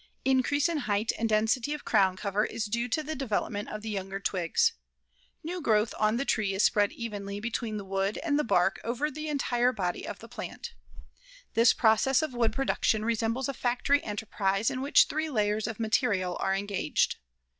Increase in height and density of crown cover is due to the development of the younger twigs. New growth on the tree is spread evenly between the wood and bark over the entire body of the plant. This process of wood production resembles a factory enterprise in which three layers of material are engaged.